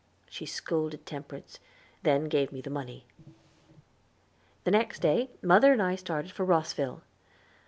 She scolded Temperance, and then gave me the money. The next day mother and I started for Rosville.